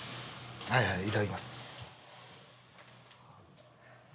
はいはいいただきます。